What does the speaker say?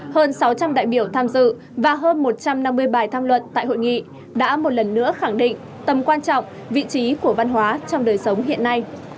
hơn sáu trăm linh đại biểu tham dự và hơn một trăm năm mươi bài tham luận tại hội nghị đã một lần nữa khẳng định tầm quan trọng vị trí của văn hóa trong đời sống hiện nay